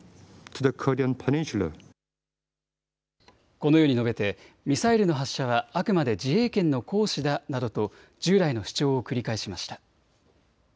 このように述べてミサイルの発射はあくまで自衛権の行使だなどと従来の主張を繰り返しました。